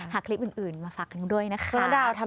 หาคลิปอื่นมาฝากกันด้วยนะคะ